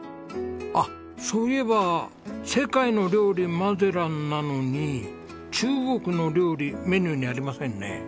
あっそういえば世界の料理マゼランなのに中国の料理メニューにありませんね。